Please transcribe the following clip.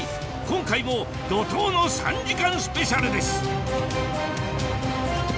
今回も怒濤の３時間スペシャルです